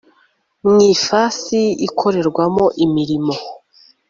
mu ifasi ikorerwamo imirimo